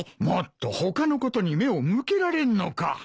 もっと他のことに目を向けられんのか。